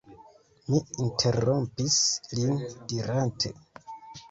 Mi interrompis lin dirante: